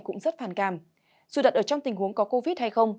cũng rất phàn càm dù đặt ở trong tình huống có covid hay không